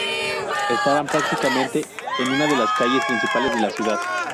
Estaban prácticamente en una de las calles principales de la ciudad.